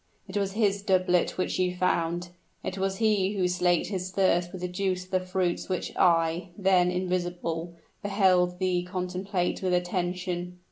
"It was his doublet which you found it was he who slaked his thirst with the juice of the fruits which I, then invisible, beheld thee contemplate with attention."